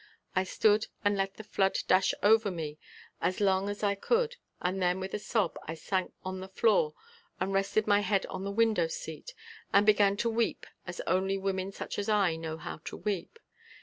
I stood and let the flood dash over me as long as I could and then with a sob I sank on the floor and rested my head on the window seat and began to weep as only women such as I know how to weep.